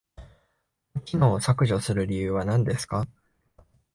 この機能を削除する理由は何ですか？